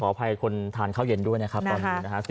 อภัยคนทานข้าวเย็นด้วยนะครับตอนนี้นะครับ